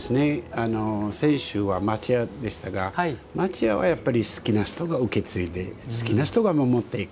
先週は町家でしたが町家はやっぱり好きな人が受け継いで好きな人が守っていく。